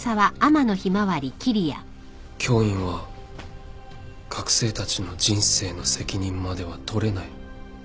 教員は学生たちの人生の責任までは取れない。